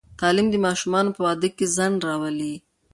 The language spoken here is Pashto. تعلیم د ماشومانو په واده کې ځنډ راولي.